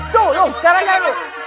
tuh lu gak raya lu